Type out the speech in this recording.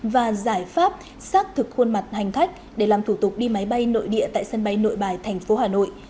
và giải pháp xác thực khuôn mặt hành khách để làm thủ tục đi máy bay nội địa tại sân bay nội bài thành phố hà nội